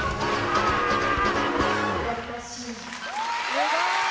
すごい。